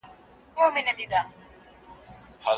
په څېړنه کي د خپلي ژبي او سېمي تعصب ته باید ځای ورنکړل سي.